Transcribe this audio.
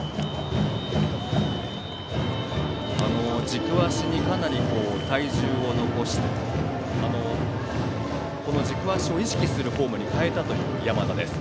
軸足にかなり体重を残した軸足を意識するフォームに変えたという山田です。